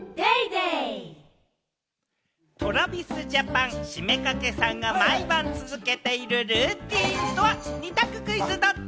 ＴｒａｖｉｓＪａｐａｎ・七五三掛さんが毎晩続けているルーティンとは、二択クイズドッチ？